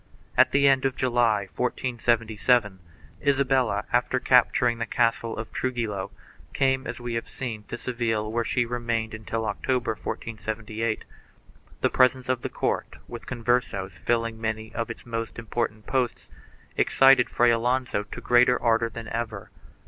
At the end of July, 1477, Isabella, after capturing the castle of Tru gillo, came, as we have seen, to Seville where she remained until October, 1478. 1 The presence of the court, with Conversos rilling many of its most important posts, excited Fray Alonso to greater ardor than ever.